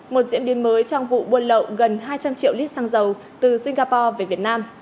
một diễn biến mới trong vụ buôn lậu gần hai trăm linh triệu lít xăng dầu từ singapore về việt nam